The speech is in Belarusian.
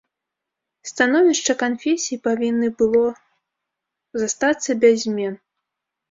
Становішча канфесій павінны было застацца без змен.